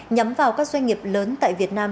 nhắm vào các doanh nghiệp lớn tại việt nam